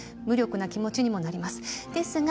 無力な気持ちにもなります。